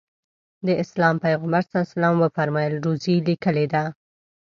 د اسلام پیغمبر ص وفرمایل روزي لیکلې ده.